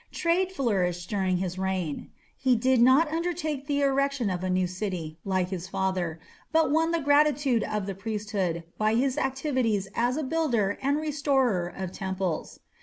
Trade flourished during his reign. He did not undertake the erection of a new city, like his father, but won the gratitude of the priesthood by his activities as a builder and restorer of temples.